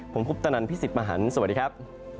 ผมคุปตนันพี่สิทธิ์มหันฯสวัสดีครับ